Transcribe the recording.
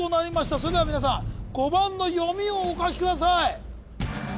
それでは皆さん５番の読みをお書きください